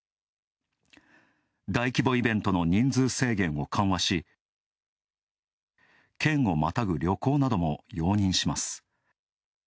大規模イベントの人数制限を緩和し県をまたぐ旅行なども容認します。